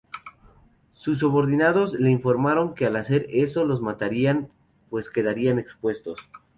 Sus subordinados le informaron que al hacer eso los matarían pues quedarían expuestos.